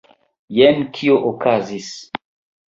Jen kio okazis.